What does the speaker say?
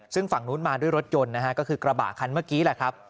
ซึ่งฝั่งนู้นมาด้วยรถยนต์นะฮะก็คือกระบะคันเมื่อกี้แหละครับ